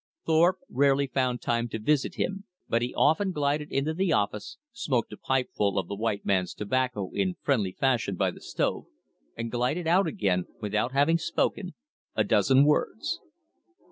Thorpe rarely found time to visit him, but he often glided into the office, smoked a pipeful of the white man's tobacco in friendly fashion by the stove, and glided out again without having spoken a dozen words.